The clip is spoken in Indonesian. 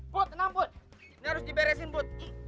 bu tenang bu ini harus diberesin bu